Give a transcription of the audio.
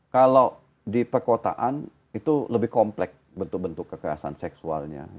kalau di perkotaan itu lebih komplek bentuk bentuk kekerasan seksualnya